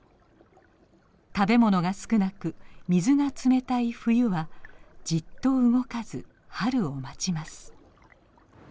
食べ物が少なく水が冷たい冬はじっと動かず春を待ちます。